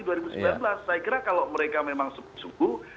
saya kira kalau mereka memang sungguh